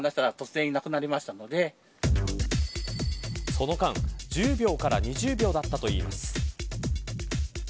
その間、１０秒から２０秒だったといいます。